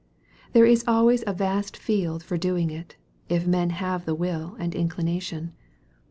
There is always a vast field for doing it, if men have the will and inclination.